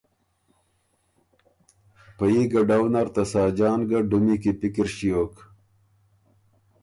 په يي ګډؤ نر ته ساجان ګه ډُمی کی پِکِر شیوک